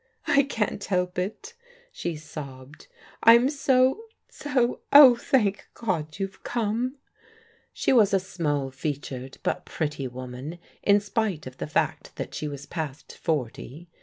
" I can't help it," she sobbed. " I*m so — so — oh, thank God you've come !" She was a small featured but pretty woman, in spite of the fact that she was past forty.